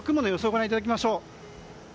ご覧いただきましょう。